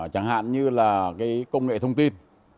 chẳng hạn như là công nghệ thông tin